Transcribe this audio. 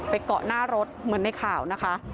เกาะหน้ารถเหมือนในข่าวนะคะ